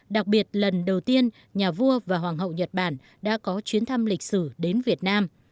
đặc biệt lần đầu tiên nhà vua và hoàng hậu nhật bản đã có chuyến thăm lịch sử đến việt nam